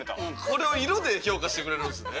これを色で評価してくれるんですね。